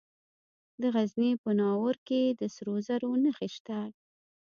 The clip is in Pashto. د غزني په ناوور کې د سرو زرو نښې شته.